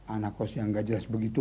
anak kos yang tidak jelas begitu